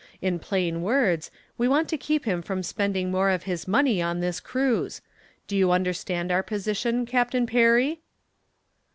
In plain words, we want to keep him from spending more of his money on this cruise. Do you understand our position, Captain Perry?"